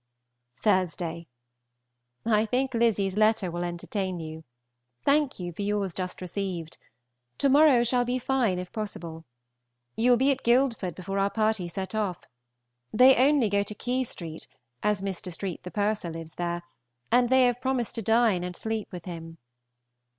Thursday. I think Lizzy's letter will entertain you. Thank you for yours just received. To morrow shall be fine if possible. You will be at Guildford before our party set off. They only go to Key Street, as Mr. Street the Purser lives there, and they have promised to dine and sleep with him.